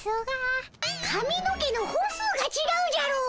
かみの毛の本数がちがうじゃろー。